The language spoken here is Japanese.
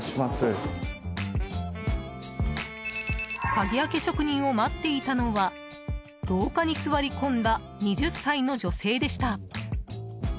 鍵開け職人を待っていたのは廊下に座り込んだ２０歳の女性でした。